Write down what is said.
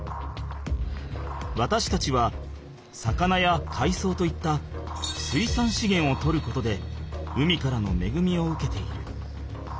わたしたちは魚やかいそうといった水産資源をとることで海からのめぐみを受けている。